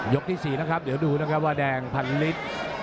ที่๔นะครับเดี๋ยวดูนะครับว่าแดงพันลิตร